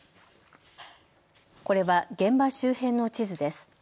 これは現場周辺の地図です。